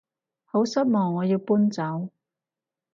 好失望我要搬走